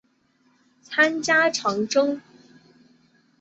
参加长征。